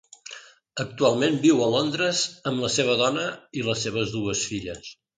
Actualment viu a Londres amb la seva dona i les seves dues filles.